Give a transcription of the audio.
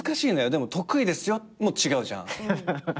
でも得意ですよも違うじゃん。